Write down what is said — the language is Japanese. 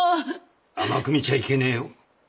甘く見ちゃいけねえよ。